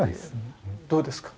どうですか？